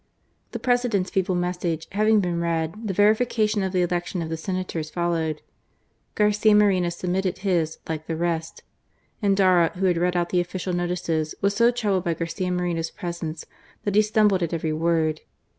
The President's feeble message having been read, the verification of the election of the Senators followed. Garcia Moreno submitted his, like the rest. Endara, who had to read out the official i8o GARCIA MORENO. notices, was so troubled by Garcia Moreno's^ presence, that he stumbled at every word.